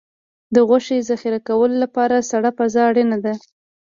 د غوښې ذخیره کولو لپاره سړه فضا اړینه ده.